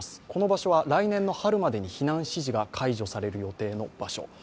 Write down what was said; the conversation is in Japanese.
この場所は来年の春までに避難指示が解除される予定の場所。